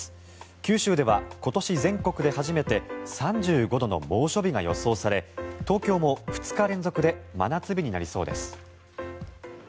九州では今年全国で初めて３５度の猛暑日が予想され東京も２日連続で真夏日になりそうです。